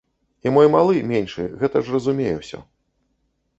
І мой малы, меншы, гэта ж разумее ўсё.